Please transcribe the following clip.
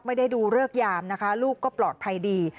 ไม่ได้ดูเริกยามนะคะลูกก็ปลอดภัยดี